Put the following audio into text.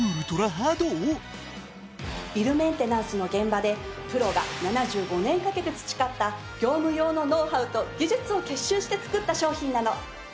ビルメンテナンスの現場でプロが７５年かけて培った業務用のノウハウと技術を結集して作った商品なの！